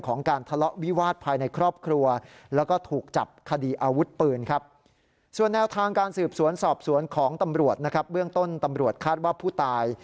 ของตำรวจนะครับเรื่องต้นตำรวจคาดว่าผู้ตาย